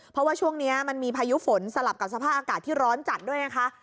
เพราะว่าช่วงนี้มันมีพายุฝนสลับกับสภาพอากาศที่ร้อนจัดด้วยไงคะ